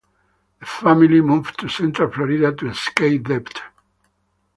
The family moved to central Florida to escape debt.